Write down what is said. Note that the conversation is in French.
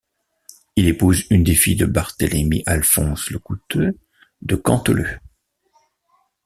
Il épouse une des filles de Barthélémy-Alphonse Le Couteulx de Canteleu.